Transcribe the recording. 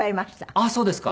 あっそうですか。